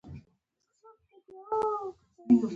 په بدن کې تر ټولو زیات خونې د سږو په وېښتانو کې دي.